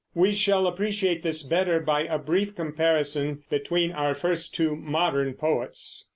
We shall appreciate this better by a brief comparison between our first two modern poets.